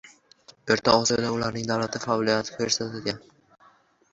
O‘rta Osiyoda ularning davlati faoliyat ko‘rsatgan.